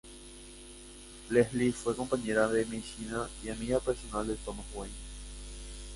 Leslie fue compañera de medicina y amiga personal de Thomas Wayne.